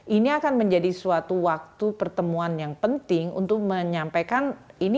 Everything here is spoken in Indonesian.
ini akan menjadi suatu waktu pertemuan yang penting untuk menyampaikan ini